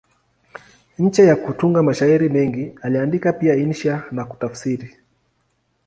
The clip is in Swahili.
Nje ya kutunga mashairi mengi, aliandika pia insha na kutafsiri.